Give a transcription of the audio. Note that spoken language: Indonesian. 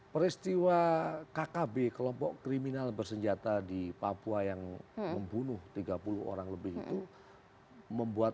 peristiwa kkb kelompok kriminal bersenjata di papua yang membunuh tiga puluh orang lebih itu membuat